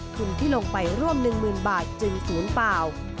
ทุนที่ลงไปร่วม๑๐๐๐บาทจึงศูนย์เปล่า